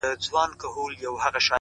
كنې تر ټولو گناه كاره به سې.!